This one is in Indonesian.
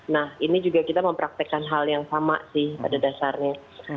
nah ini juga kita mempraktekkan hal yang sama sih pada dasarnya